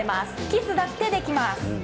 キスだってできます！